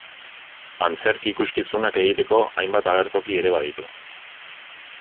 Antzerki ikuskizunak egiteko hainbat agertoki ere baditu.